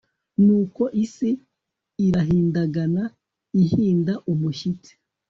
nuko isi irahindagana, ihinda umushyitsi